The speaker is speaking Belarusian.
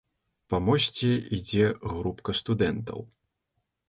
Па мосце ідзе групка студэнтаў.